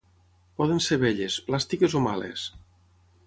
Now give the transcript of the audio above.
Poden ser belles, plàstiques o males.